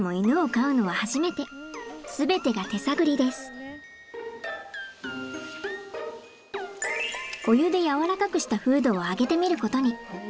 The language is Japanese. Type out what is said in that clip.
一家もお湯で柔らかくしたフードをあげてみることに。